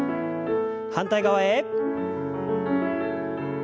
反対側へ。